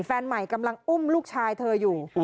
แฟนใหม่กำลังอุ้มลูกชายเธออยู่